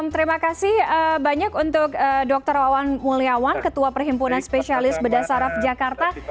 terima kasih banyak untuk dokter owen muliawan ketua perhimpunan spesialis bedah syarab jakarta